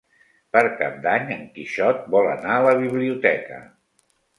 Per Cap d'Any en Quixot vol anar a la biblioteca.